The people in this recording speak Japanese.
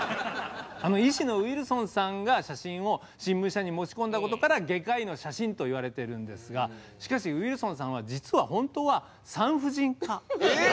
医師のウィルソンさんが写真を新聞社に持ち込んだことから「外科医の写真」と言われているんですがしかしウィルソンさんは実は本当は産婦人科。え！